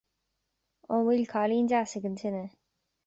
An bhfuil cailín deas ag an tine